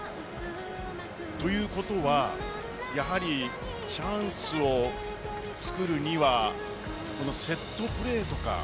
ということは、やはりチャンスをつくるにはセットプレーとか。